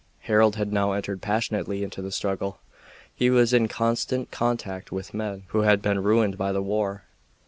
Harold had now entered passionately into the struggle. He was in constant contact with men who had been ruined by the war.